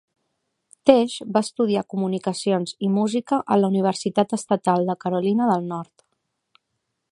Tesh va estudiar comunicacions i música a la Universitat Estatal de Carolina del Nord.